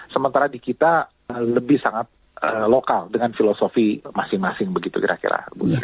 sementara di kita lebih sangat lokal dengan filosofi masing masing begitu kira kira